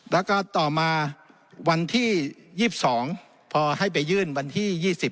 แล้วก็ต่อมาวันที่๒๒พอให้ไปยื่นวันที่๒๐